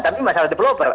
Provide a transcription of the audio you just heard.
tapi masalah developer